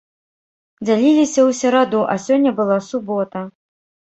Дзяліліся ў сераду, а сёння была субота.